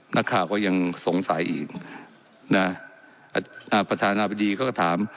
นักข่าวก็ยังสงสัยอีกนะอ่าประธานาบดีเขาก็ถาม